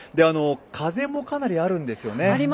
風もかなりあるんですよね。